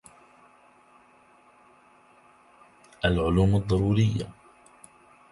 العلوم الضرورية